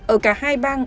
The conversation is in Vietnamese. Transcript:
ở cả hai bang